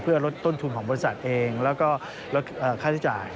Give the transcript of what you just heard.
เพื่อลดต้นทุนของบริษัทเองแล้วก็ลดค่าใช้จ่าย